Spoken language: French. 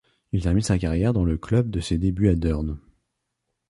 Il termine sa carrière dans le club de ses débuts à Deurne.